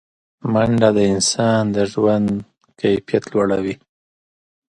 منډه د انسان د ژوند کیفیت لوړوي